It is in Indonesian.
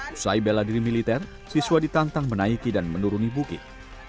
usai bela diri militer siswa ditantang menaiki dan menuruni bukit